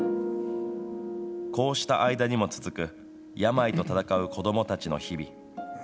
こうした間にも続く、病と闘う子どもたちの日々。